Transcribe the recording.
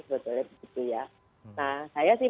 sebetulnya begitu ya nah saya sih